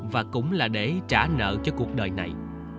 và cũng là để trả nợ cho cuộc đời này